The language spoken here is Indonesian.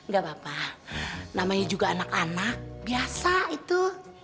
gak apa apa namanya juga anak anak biasa itu